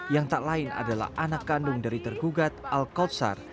yang tak lain adalah anak kandung dari tergugat al kosar